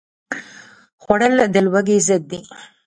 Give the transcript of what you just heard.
خوړل د لوږې ضد دی